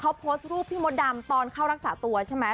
เขาโพสต์รูปพี่มดดำตอนเข้ารักษาตัวใช่ไหม